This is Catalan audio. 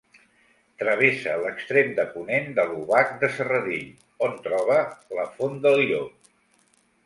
Travessa l'extrem de ponent de l'Obac de Serradell, on troba la Font del Llop.